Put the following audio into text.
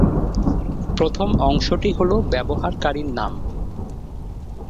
প্রথম অংশটি হল ব্যবহারকারী নাম।